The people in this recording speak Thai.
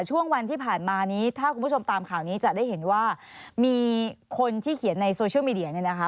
ช่วงวันที่ผ่านมานี้ถ้าคุณผู้ชมตามข่าวนี้จะได้เห็นว่ามีคนที่เขียนในโซเชียลมีเดียเนี่ยนะคะ